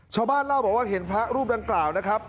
ชาวบ้านเล่าบอกว่าเห็นพระรูปดังกล่าวนะครับ